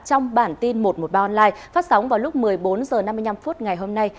trong bản tin một trăm một mươi ba online phát sóng vào lúc một mươi bốn h năm mươi năm ngày hôm nay